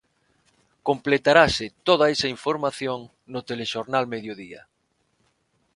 Completarase toda esa información no Telexornal Mediodía.